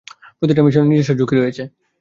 প্রতিটা মিশনেই নিজস্ব কিছু ঝুঁকি রয়েছে।